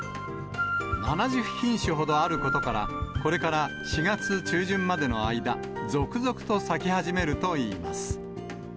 ７０品種ほどあることから、これから４月中旬までの間、続々と咲き始めるといいます。